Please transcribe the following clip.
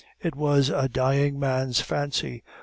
It was a dying man's fancy.